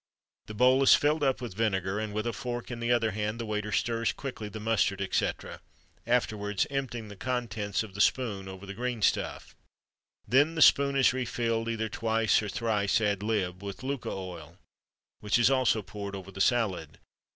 The bowl is filled up with vinegar, and with a fork in the other hand the waiter stirs quickly the mustard, etc., afterwards emptying the contents of the spoon over the green stuff. Then the spoon is refilled either twice or thrice, ad lib. with Lucca oil, which is also poured over the salad.